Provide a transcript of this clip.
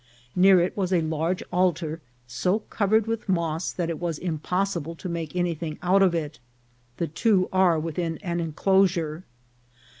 Near it was a large altar, so covered with moss that it was im possible to make anything out of it. The two are with in an enclosure.